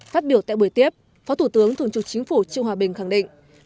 phát biểu tại buổi tiếp phó thủ tướng thường trực chính phủ trương hòa bình khẳng định